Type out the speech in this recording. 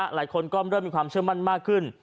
หลายคนก็เริ่มมีความเชื่อมั่นมากขึ้น